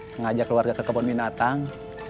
mengajak keluarga ke kebun binatang